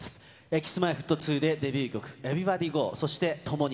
Ｋｉｓ−Ｍｙ−Ｆｔ２で、デビュー曲、ＥｖｅｒｙｂｏｄｙＧｏ、そして、ともに。